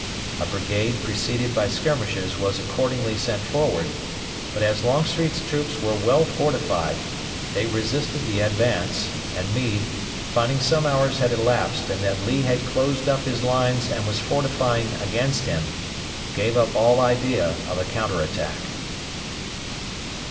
A brigade preceded by skirmishers was accordingly sent forward, but as Longstreet's troops were well fortified, they resisted the advance, and Meade finding some hours had elapsed and that Lee had closed up his lines and was fortifying against him gave up all idea of a counter attack.